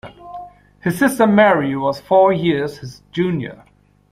His sister Mary was four years his junior.